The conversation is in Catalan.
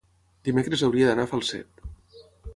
dimecres hauria d'anar a Falset.